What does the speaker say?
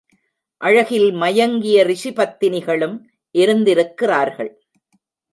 அழகில் மயங்கிய ரிஷிபத்தினிகளும் இருந்திருக்கிறார்கள்.